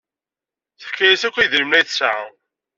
Tefka-as akk idrimen ay tesɛa.